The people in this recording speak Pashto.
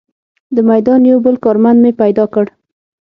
د میدان یو بل کارمند مې پیدا کړ.